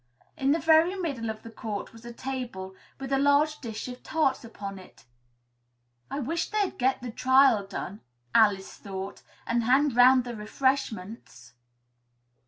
In the very middle of the court was a table, with a large dish of tarts upon it. "I wish they'd get the trial done," Alice thought, "and hand 'round the refreshments!"